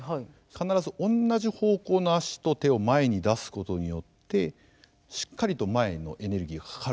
必ず同じ方向の足と手を前に出すことによってしっかりと前にエネルギーがかかるということなんです。